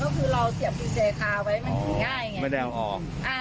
ก็คือเราเสียบคือแชร์คาไว้มันกินง่ายไงไม่ได้เอาออก